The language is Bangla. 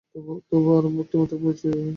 তবু আরম্ভে এই একটিমাত্র পরিচয়ই পেয়েছেন।